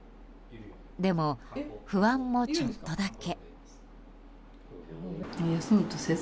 でも不安もちょっとだけ。